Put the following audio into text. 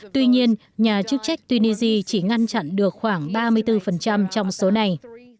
tuy nhiên nhà chức trách tunisia chỉ ngăn chặn được khoảng ba mươi bốn trong số này